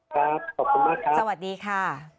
ครับขอบคุณมากค่ะสวัสดีค่ะสวัสดีค่ะ